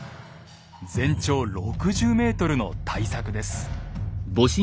全長６０ｍの大作です。